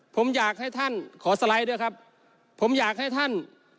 ผมอยากให้ท่าน